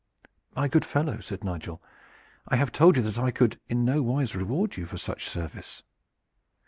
"My good fellow," said Nigel, "I have told you that I could in no wise reward you for such service."